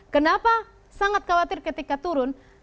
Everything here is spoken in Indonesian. kenapa sangat khawatir ketika turun